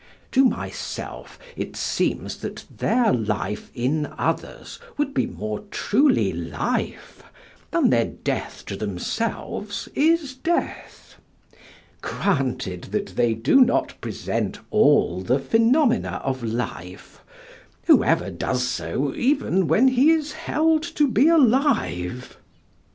To myself it seems that their life in others would be more truly life than their death to themselves is death. Granted that they do not present all the phenomena of life who ever does so even when he is held to be alive?